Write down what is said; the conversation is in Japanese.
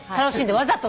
わざと。